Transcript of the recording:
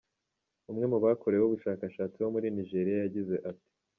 Umwe mu bakoreweho ubushakashhatsi wo muri Nigeria yagize ati:.